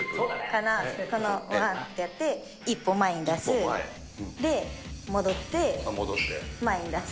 このわーってやって一歩前に出す、で、戻って前に出す。